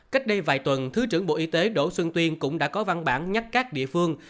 cách đây vài tuần thứ trưởng bộ y tế đỗ xuân tuyên cũng đã có văn bản nhắc các địa phương